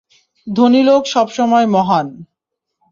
ধনী লোক সবসময় মহান!